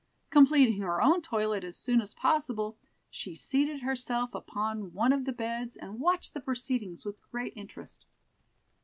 Completing her own toilet as soon as possible, she seated herself upon one of the beds, and watched the proceedings with great interest.